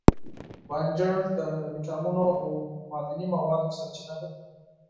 بانجان د ویټامینونو او معدني موادو سرچینه ده.